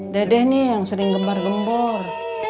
dadeh nih yang sering gemar gembor